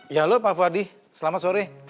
yalo pak fuadi selamat sore